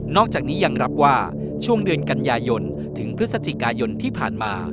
อกจากนี้ยังรับว่าช่วงเดือนกันยายนถึงพฤศจิกายนที่ผ่านมา